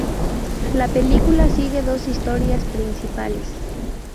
La película sigue dos historias principales.